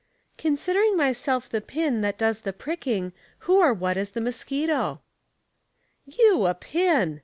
'•Considering myself the pin that does the pricking, who or what is the mosquito?" " You a pin